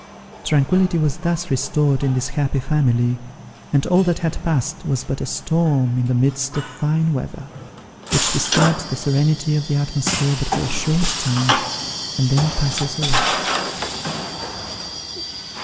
Tranquillity was thus restored in this happy family, and all that had passed was but a storm in the midst of fine weather, which disturbs the serenity of the atmosphere but for a short time, and then passes away.